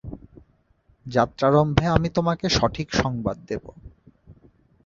যাত্রারম্ভে আমি তোমাকে সঠিক সংবাদ দেব।